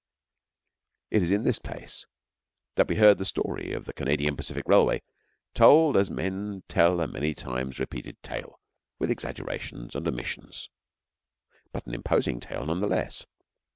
It is in this place that we heard the story of the Canadian Pacific Railway told as men tell a many times repeated tale, with exaggerations and omissions, but an imposing tale, none the less.